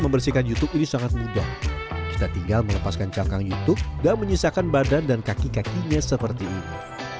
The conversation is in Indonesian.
membersihkan youtube ini sangat mudah kita tinggal melepaskan cangkang youtube dan menyisakan badan dan kaki kakinya seperti ini